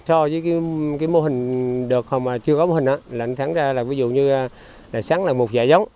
so với cái mô hình được không mà chưa có mô hình đó nó thắng ra là ví dụ như là sắn là một dạ giống